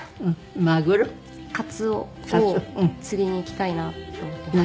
カツオを釣りに行きたいなと思っています。